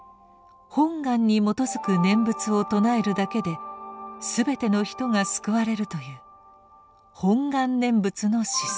「本願」に基づく念仏を称えるだけで全ての人が救われるという「本願念仏」の思想。